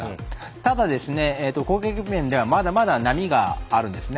ただ、攻撃面ではまだまだ波があるんですね。